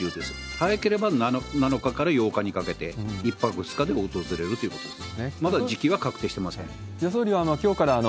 早ければ７日から８日にかけて、１泊２日で訪れるということです。